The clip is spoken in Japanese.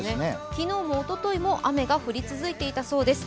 昨日もおとといも雨が降り続いていたそうです。